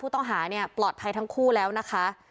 ต้องหาเนี่ยปลอดภัยทั้งคู่แล้วนะคะ